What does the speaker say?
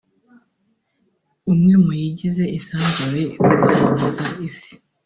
umwe mu yigize isanzure uzangiza isi